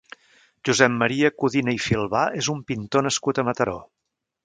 Josep Maria Codina i Filbà és un pintor nascut a Mataró.